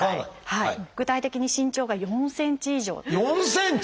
具体的に身長が４ｃｍ以上４ｃｍ！？